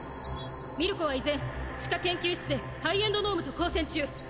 ミルコは依然地下研究室でハイエンド脳無と交戦中。